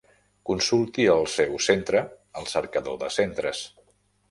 Consulti el seu centre al cercador de centres.